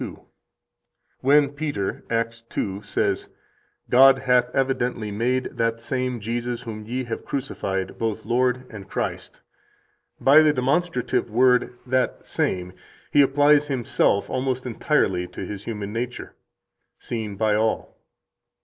661): "[When Peter, Acts 2, says:] 'God hath evidently made that same Jesus whom ye have crucified both Lord and Christ,' by the demonstrative word [that same] he applies himself almost entirely to His human nature, seen by all."